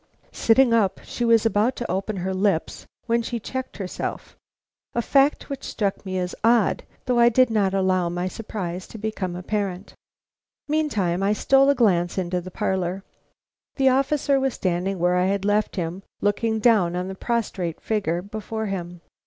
Sitting up, she was about to open her lips when she checked herself; a fact which struck me as odd, though I did not allow my surprise to become apparent. Meantime I stole a glance into the parlor. The officer was standing where I had left him, looking down on the prostrate figure before him.